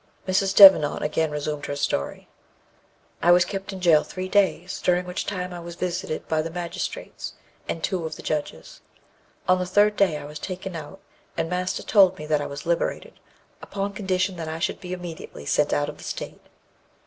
Mrs. Devenant again resumed her story: "I was kept in jail three days, during which time I was visited by the magistrates, and two of the judges. On the third day I was taken out, and master told me that I was liberated, upon condition that I should be immediately sent out of the state.